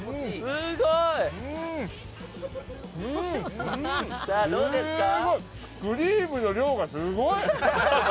すーごいクリームの量がすごい！